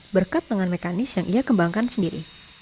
berkat dengan mekanis yang ia kembangkan sendiri